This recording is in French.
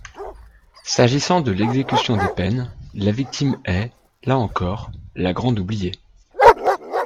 S’agissant de l’exécution des peines, la victime est, là encore, la grande oubliée.